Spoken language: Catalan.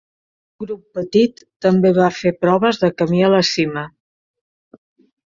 Un grup petit també va fer proves de camí a la cima.